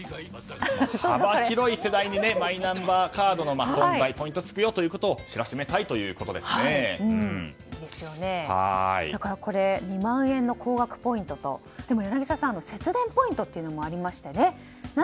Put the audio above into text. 幅広い世代にマイナンバーカードでポイントがつくよということを２万円の高額ポイントとでも柳澤さん、節電ポイントというのもありましたよね。